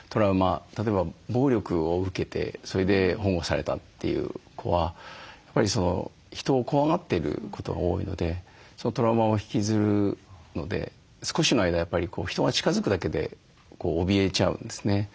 例えば暴力を受けてそれで保護されたという子はやっぱり人を怖がってることが多いのでそのトラウマを引きずるので少しの間やっぱり人が近づくだけでおびえちゃうんですね。